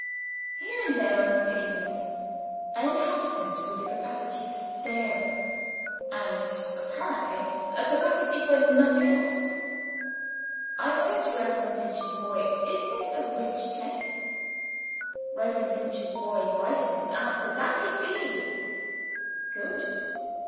Here and there on the pavements, an inhabitant with a capacity for staring, and (apparently) a capacity for nothing else. I said to Reverend Finch's boy, "Is this a rich place?" Reverend Finch's boy brightened and answered, "That it be!" Good.